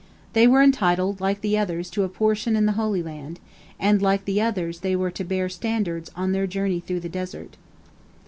They were entitled like the others to a portion in the Holy Land, and like the others they were to bear standards on their journey through the desert.